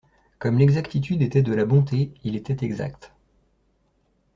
Comme l'exactitude était de la bonté, il était exact.